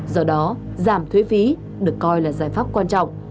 do đó giảm thuế phí được coi là giải pháp quan trọng